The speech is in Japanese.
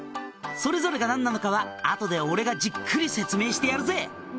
「それぞれが何なのかは後で俺がじっくり説明してやるぜ」